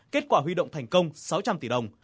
kết quả huy động thành công sáu trăm linh tỷ đồng